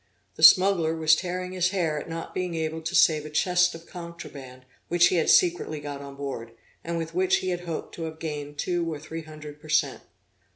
The smuggler was tearing his hair at not being able to save a chest of contraband which he had secretly got on board, and with which he had hoped to have gained two or three hundred per cent.